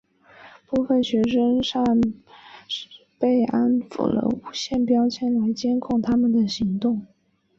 部分学生身上被安装了无线标签来监控他们的行动。